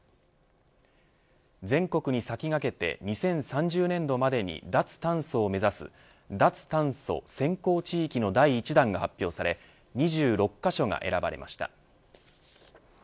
全国に先駆けて２０３０年度までに脱炭素を目指す脱炭素先行地域の第１弾が発表され２６カ所が選ばれました。